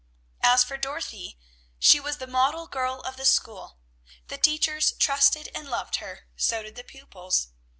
As for Dorothy, she was the model girl of the school. The teachers trusted and loved her, so did the pupils.